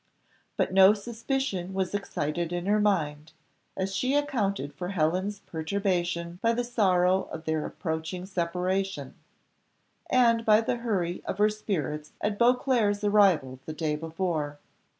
But no suspicion was excited in her mind, as she accounted for Helen's perturbation by the sorrow of their approaching separation, and by the hurry of her spirits at Beauclerc's arrival the day before.